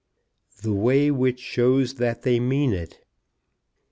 THE WAY WHICH SHOWS THAT THEY MEAN IT.